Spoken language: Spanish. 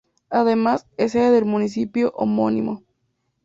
Además es sede del municipio homónimo.